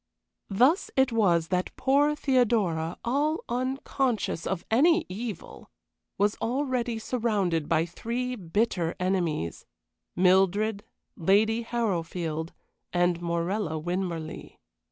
Thus it was that poor Theodora, all unconscious of any evil, was already surrounded by three bitter enemies Mildred, Lady Harrowfield, and Morella Winmarleigh.